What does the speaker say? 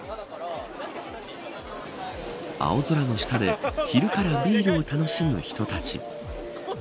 青空の下で昼からビールを楽しむ人たち。